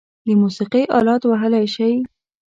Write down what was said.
د موسیقۍ آلات وهلی شئ؟